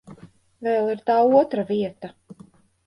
Vēl ir tā otra vieta.